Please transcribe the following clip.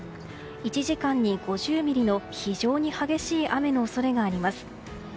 １時間に５０ミリの非常に激しい雨の恐れがあります。